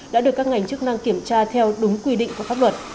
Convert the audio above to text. đã được các ngành chức năng kiểm tra theo đúng quy định của pháp luật